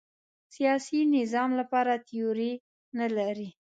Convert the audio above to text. سیاسي نظام لپاره تیوري نه لري